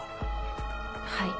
はい。